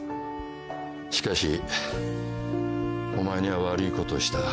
しかしお前には悪いことした。